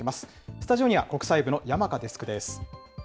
スタジオには国際部の山香デスクです。